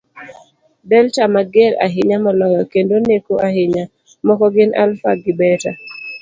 Delta mager ahinya moloyo, kendo neko ahinya, moko gin Alpha gi Beta